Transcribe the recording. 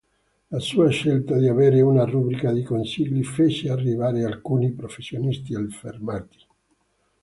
La sua scelta di avere una rubrica di consigli fece arrabbiare alcuni professionisti affermati.